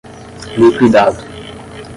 liquidado